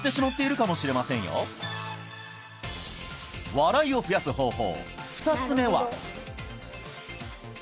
笑いを増やす方法